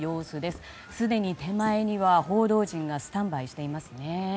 すでに手前には報道陣がスタンバイしています。